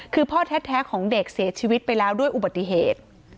คือพ่อแท้ของเด็กเสียชีวิตไปแล้วด้วยอุบัติเหตุ